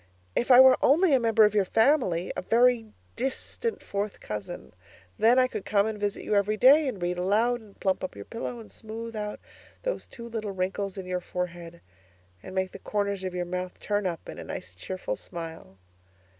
If I were only a member of your family (a very distant fourth cousin) then I could come and visit you every day, and read aloud and plump up your pillow and smooth out those two little wrinkles in your forehead and make the corners of your mouth turn up in a nice cheerful smile.